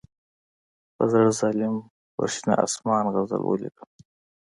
په زړه ظالم پر شنه آسمان غزل ولیکم.